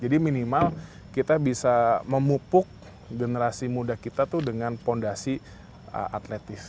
jadi minimal kita bisa memupuk generasi muda kita tuh dengan fondasi atletik